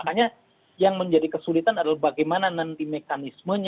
nah makanya yang menjadi kesulitan adalah bagaimana nanti mekanisme